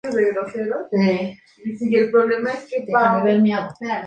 Si Molina era la bandera del radicalismo, Valle representaba la idea moderada.